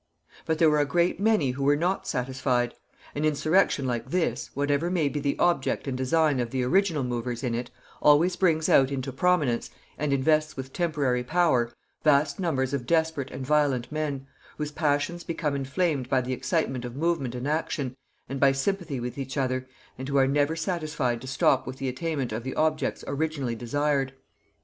But there were a great many who were not satisfied. An insurrection like this, whatever may be the object and design of the original movers in it, always brings out into prominence, and invests with temporary power, vast numbers of desperate and violent men, whose passions become inflamed by the excitement of movement and action, and by sympathy with each other, and who are never satisfied to stop with the attainment of the objects originally desired.